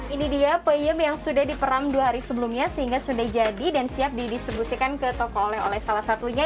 ini dia peyem yang sudah diperam dua hari sebelumnya sehingga sudah jadi dan siap didistribusikan ke toko oleh oleh salah satunya